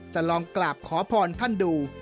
จะลองกราบขอพรท่านดู